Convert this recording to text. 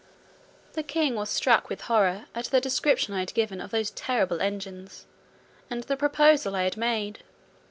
The king was struck with horror at the description I had given of those terrible engines, and the proposal I had made.